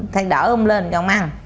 thay đỡ ông lên cho ông ăn